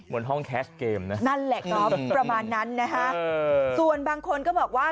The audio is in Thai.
บนห้องแคสเกมนะประมาณนั้นนะฮะส่วนบางคนก็บอกว่า